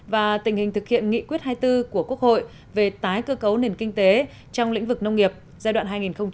và tình hình thực hiện nghị quyết hai mươi bốn của quốc hội về tái cơ cấu nền kinh tế trong lĩnh vực nông nghiệp giai đoạn hai nghìn một mươi một hai nghìn hai mươi